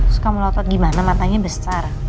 suka melotot gimana matanya besar